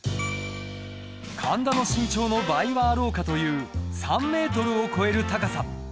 神田の身長の倍はあろうかという３ｍを超える高さ。